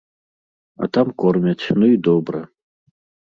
А там кормяць, ну і добра.